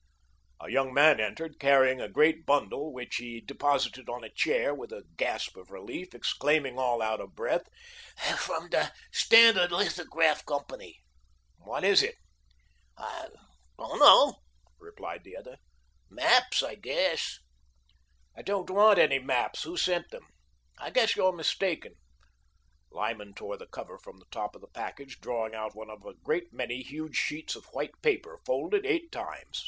A young man entered, carrying a great bundle, which he deposited on a chair, with a gasp of relief, exclaiming, all out of breath: "From the Standard Lithograph Company." "What is?" "Don't know," replied the other. "Maps, I guess." "I don't want any maps. Who sent them? I guess you're mistaken." Lyman tore the cover from the top of the package, drawing out one of a great many huge sheets of white paper, folded eight times.